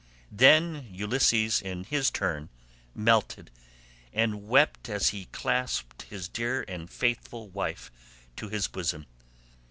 Then Ulysses in his turn melted, and wept as he clasped his dear and faithful wife to his bosom.